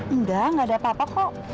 enggak enggak ada apa apa kok